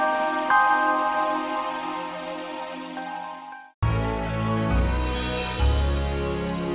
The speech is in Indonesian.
udah cepet sana